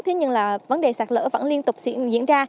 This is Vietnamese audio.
thế nhưng vấn đề sạt lở vẫn liên tục diễn ra